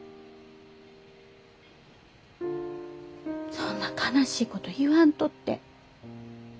そんな悲しいこと言わんとって。